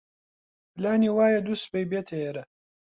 پلانی وایە دووسبەی بێتە ئێرە.